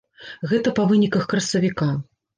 Гэта па выніках красавіка.